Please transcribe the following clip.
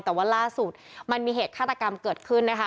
แต่ว่าล่าสุดมันมีเหตุฆาตกรรมเกิดขึ้นนะคะ